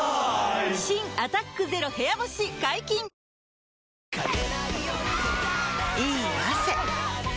新「アタックＺＥＲＯ部屋干し」解禁‼いい汗。